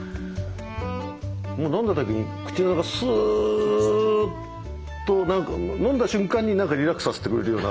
もう飲んだ時に口の中スーッと飲んだ瞬間に何かリラックスさせてくれるような。